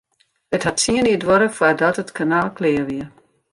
It hat tsien jier duorre foardat it kanaal klear wie.